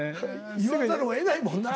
言わざるをえないもんな。